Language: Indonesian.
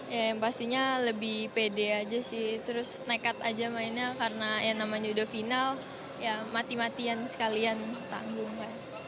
ya yang pastinya lebih pede aja sih terus nekat aja mainnya karena yang namanya udah final ya mati matian sekalian tanggung